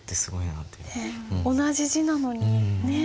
同じ字なのにね。